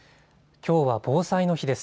きょうは防災の日です。